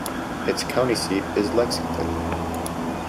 Its county seat is Lexington.